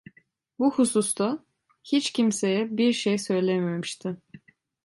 Bu hususta hiç kimseye bir şey söylememişti.